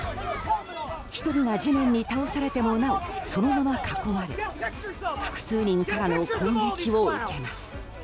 １人が地面に倒されてもなおそのまま、囲まれ複数人からの攻撃を受けます。